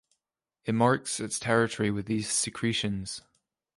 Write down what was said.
It marks its territory with these secretions.